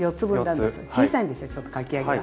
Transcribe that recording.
小さいんですよちょっとかき揚げが。